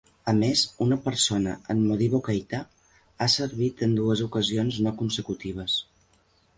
A més, una persona, en Modibo Keita, ha servit en dues ocasions no consecutives.